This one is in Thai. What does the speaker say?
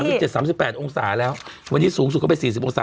เหมือนกัน๓๗๓๘องศาแล้ววันนี้สูงสุดเข้าไป๔๐องศา